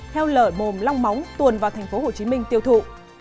heo lở mồm long móng tuồn vào tp hồ chí minh tiêu thụ